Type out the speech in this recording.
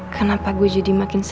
kerja gue bisa sis